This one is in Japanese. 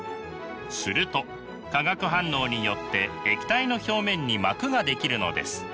すると化学反応によって液体の表面に膜が出来るのです。